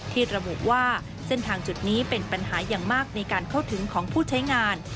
ที่ระบุว่าเส้นทางจุดนี้เป็นปัญหาอย่างมากในการเข้าถึงของผู้ใช้งาน